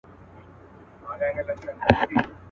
زخمي نصیب تر کومه لا له بخته ګیله من سي.